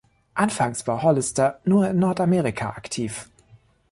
Anfangs war Hollister nur in Nordamerika aktiv.